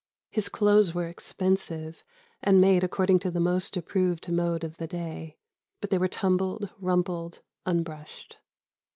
His clothes were expensive, and made according to the most approved mode of the day; but they were tumbled, rumpled, unbrushed.